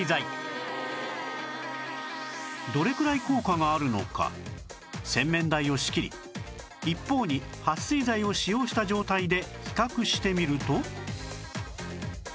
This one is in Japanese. どれくらい効果があるのか洗面台を仕切り一方に撥水剤を使用した状態で比較してみると